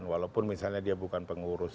walaupun misalnya dia bukan pengurus